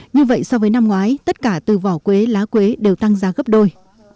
như vậy so với năm ngoái tất cả từ vỏ quế lá quế đều tăng giá gấp đôi